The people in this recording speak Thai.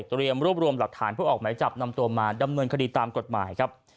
รวบรวมหลักฐานเพื่อออกหมายจับนำตัวมาดำเนินคดีตามกฎหมายครับ